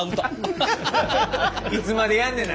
いつまでやんねんな